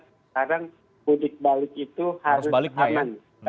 sekarang mudik balik itu harus aman